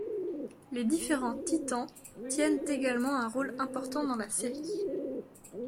Les différents Titans tiennent également un rôle important dans la série.